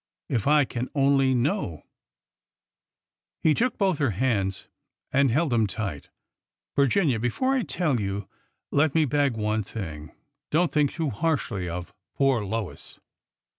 — if I can only know !" He took both her hands and held them tight. " Vir ginia, before I tell you, let me beg one thing. Don't think too harshly of— poor Lois."